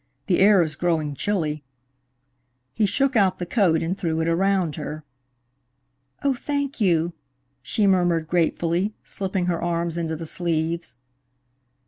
The air is growing chilly." He shook out the coat and threw it around her. "Oh, thank you," she murmured gratefully, slipping her arms into the sleeves.